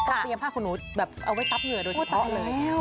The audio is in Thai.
ต้องเตรียมผ้าของคุณหนูเอาไว้ปั๊บเหงื่อโดยเฉพาะเลย